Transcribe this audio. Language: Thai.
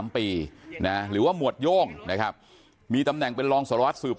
ปีนะหรือว่าหมวดโย่งนะครับมีตำแหน่งเป็นรองสารวัตรสืบ